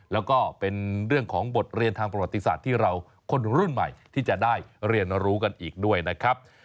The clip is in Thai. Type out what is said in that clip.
แล้วก็เป็นเรื่องของบทเรียนทางประวัติศาสตร์ที่เราคนรุ่นใหม่ที่จะได้เรียนรู้กันอีกด้วยนะครับ